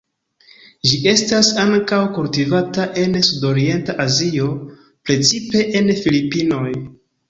Ĝi estas ankaŭ kultivata en Sudorienta Azio, precipe en Filipinoj.